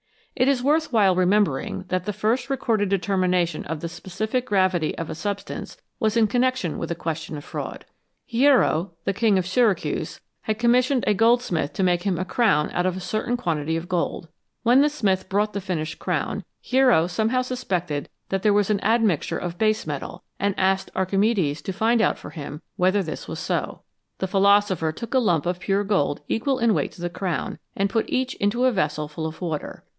It is worth while remembering that the first recorded determination of the specific gravity of a sub stance was in connection with a question of fraud. Hiero, the King of Syracuse, had commissioned a goldsmith to make him a crown out of a certain quantity of gold. When the smith brought the finished crown, Hiero some how suspected that there was an admixture of base metal, and asked Archimedes to find out for him whether this was so. The philosopher took a lump of pure gold equal in weight to the crown, and put each into a vessel full of water.